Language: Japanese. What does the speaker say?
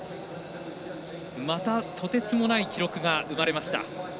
また、とてつもない記録が生まれました。